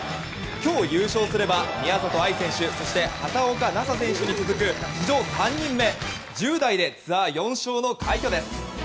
今日優勝すれば宮里藍選手そして、畑岡奈紗選手に続く史上３人目１０代でツアー４勝の快挙です。